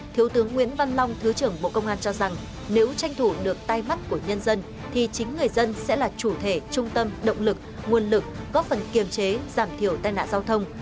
thiếu tướng nguyễn văn long thứ trưởng bộ công an cho rằng nếu tranh thủ được tay mắt của nhân dân thì chính người dân sẽ là chủ thể trung tâm động lực nguồn lực góp phần kiềm chế giảm thiểu tai nạn giao thông